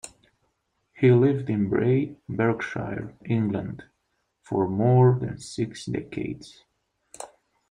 He lived in Bray, Berkshire, England, for more than six decades.